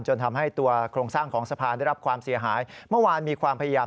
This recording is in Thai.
จนทำให้ตัวโครงสร้างของสะพานได้รับความเสียหาย